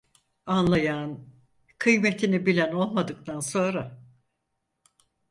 Anlayan, kıymetini bilen olmadıktan sonra…